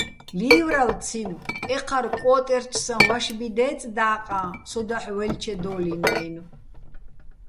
ლივრალო̆ ციმო: ეჴარ კო́ტერჩსაჼ ვაშბი დეწ და́ყაჼ სო დაჰ̦ ვაჲლჩედო́ლიჼ-ნაჲნო̆.